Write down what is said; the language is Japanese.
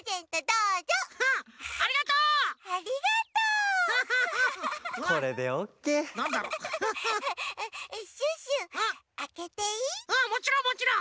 うんもちろんもちろん。